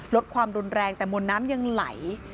ลดความรุนแรงแต่มวลน้ำยังไหล